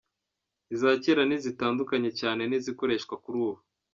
Iza kera ntizitandukanye cyane n’izikoreswa kuri ubu.